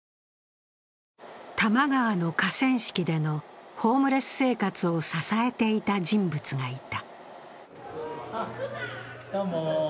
多摩川の河川敷でのホームレス生活を支えていた人物がいた。